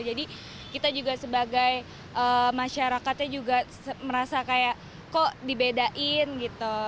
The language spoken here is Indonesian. jadi kita juga sebagai masyarakatnya juga merasa kayak kok dibedain gitu